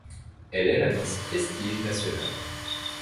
Elle est la Miss Prestige National.